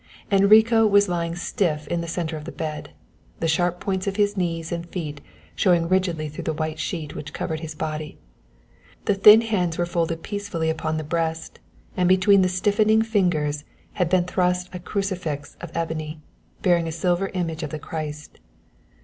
Enrico was lying stiff in the centre of the bed, the sharp points of his knees and feet showing rigidly through the white sheet which covered his body. The thin hands were folded peacefully upon the breast, and between the stiffening fingers had been thrust a crucifix of ebony, bearing a silver image of the Christ.